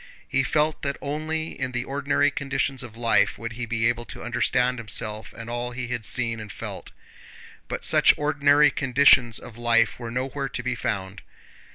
He felt that only in the ordinary conditions of life would he be able to understand himself and all he had seen and felt. But such ordinary conditions of life were nowhere to be found.